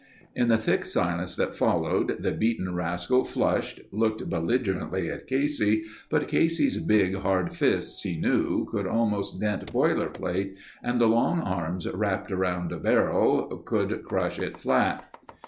In the thick silence that followed, the beaten rascal flushed, looked belligerently at Casey but Casey's big, hard fists he knew, could almost dent boiler plate and the long arms wrapped about a barrel, could crush it flat.